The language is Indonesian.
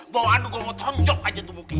bawaan gua mau tonjok aja tuh mungkin